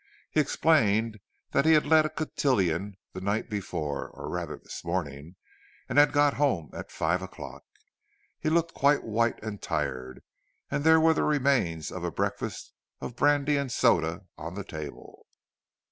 He explained that he had led a cotillion the night before—or rather this morning; he had got home at five o'clock. He looked quite white and tired, and there were the remains of a breakfast of brandy and soda on the table.